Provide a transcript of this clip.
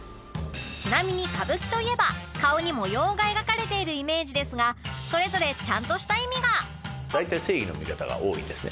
ちなみに歌舞伎といえば顔に模様が描かれているイメージですがそれぞれちゃんとした意味が大体正義の味方が多いんですね